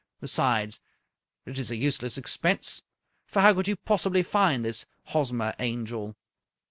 Besides, it is a useless expense, for how could you possibly find this Hosmer Angel